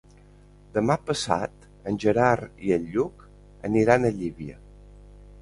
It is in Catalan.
Demà passat en Gerard i en Lluc aniran a Llívia.